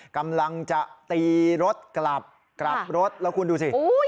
กำลังจะตีรถกลับแล้วคุณดูสิ